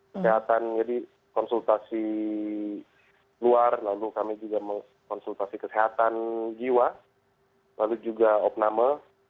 kesehatan jadi konsultasi luar lalu kami juga mengkonsultasi kesehatan jiwa lalu juga opname